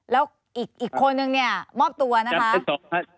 แล้วอีกคนนึงเนี่ยมอบตัวนะคะ